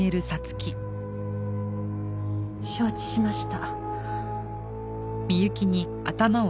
承知しました。